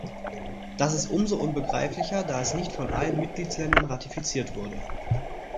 Das ist um so unbegreiflicher, da es nicht von allen Mitgliedsländern ratifiziert wurde.